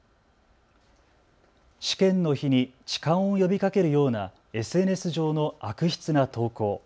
試験の日に痴漢を呼びかけるようなＳＮＳ上の悪質な投稿。